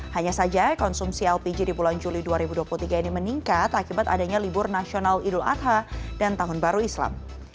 hanya saja konsumsi lpg di bulan juli dua ribu dua puluh tiga ini meningkat akibat adanya libur nasional idul adha dan tahun baru islam